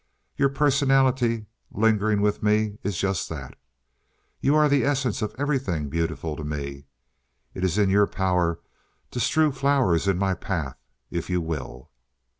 Your personality, lingering with me, is just that. You are the essence of everything beautiful to me. It is in your power to strew flowers in my path if you will.